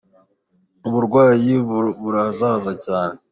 Uburwayi burazahaza cyane.